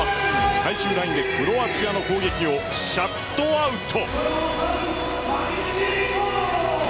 最終ラインでクロアチアの攻撃をシャットアウト。